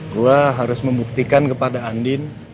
gue harus membuktikan kepada andin